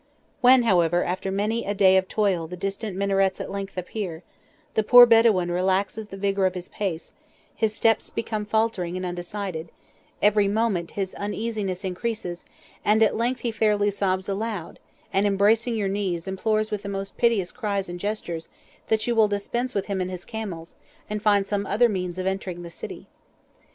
When, however, after many a day of toil the distant minarets at length appear, the poor Bedouin relaxes the vigour of his pace, his steps become faltering and undecided, every moment his uneasiness increases, and at length he fairly sobs aloud, and embracing your knees, implores with the most piteous cries and gestures that you will dispense with him and his camels, and find some other means of entering the city.